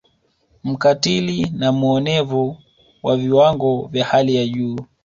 Mkatili na muonevu wa viwango vya hali ya juu